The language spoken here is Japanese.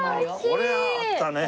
これはあったね。